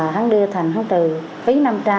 hắn đưa thành hắn trời phí năm trăm linh